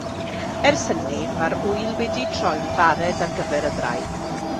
Ers hynny, mae'r ŵyl wedi troi'n barêd ar gyfer y ddraig.